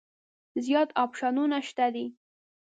زیات اپشنونه شته دي.